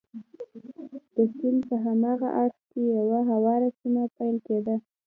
د سیند په هاغه اړخ کې یوه هواره سیمه پیل کېده.